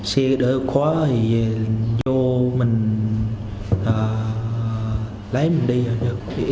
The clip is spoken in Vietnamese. xe đỡ khóa thì vô mình lấy mình đi em là người lấy